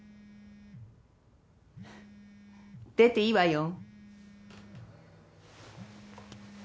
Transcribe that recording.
出ていいわよ。